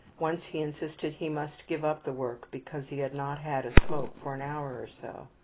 Once he insisted he must give up the work because he had not had a smoke for an hour or so.